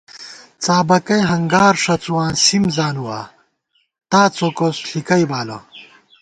څابَکَئ ہنگار ݭَڅُواں سِم زانُوا ، تا څوکوس، ݪِکَئ بالہ